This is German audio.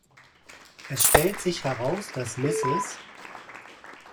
Es stellt sich heraus, dass Mrs.